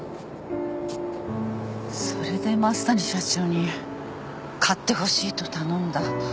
それで増谷社長に買ってほしいと頼んだ。